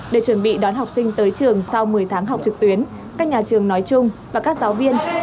để chuẩn bị đón học sinh tới trường sau một mươi tháng học trực tuyến các nhà trường nói chung và các giáo viên